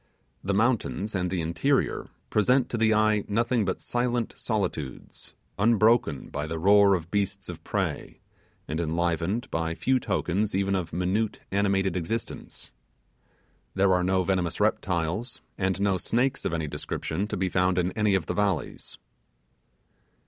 The mountains and the interior present to the eye nothing but silent solitudes, unbroken by the roar of beasts of prey, and enlivened by few tokens even of minute animated existence. There are no venomous reptiles, and no snakes of any description to be found in any of the valleys.